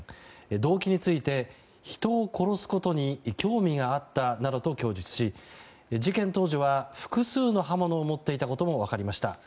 動機について、人を殺すことに興味があったなどと供述し、事件当時は複数の刃物を持っていたことも分かりました。